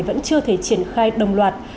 vẫn chưa thể triển khai đồng loạt